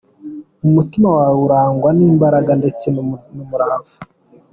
Umutima wawe urangwa n’imbaraga ndetse n’umurava .